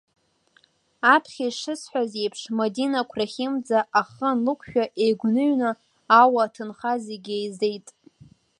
Аԥхьа ишысҳаз еиԥш, Мадина қәрахьымӡа ахы анлықәшәа, еигәныҩны, ауа аҭынха зегьы еизеит.